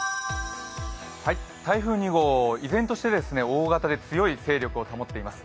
台風２号、依然として大型で強い勢力を保っています。